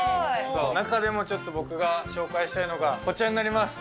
中でもちょっと、僕が紹介したいのがこちらになります。